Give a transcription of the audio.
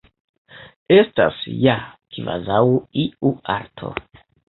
Estas ja kvazaŭ iu arto.